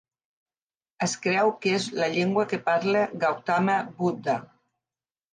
Es creu que és la llengua que parla Gautama Buddha.